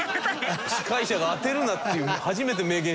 司会者が「当てるな」って初めて明言した。